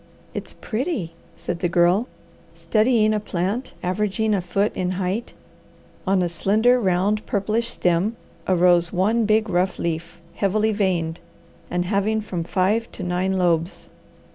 "It's pretty!" said the Girl, studying a plant averaging a foot in height. On a slender, round, purplish stem arose one big, rough leaf, heavily veined, and having from five to nine lobes.